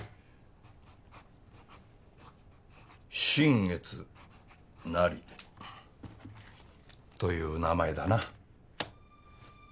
「新月なり」という名前だな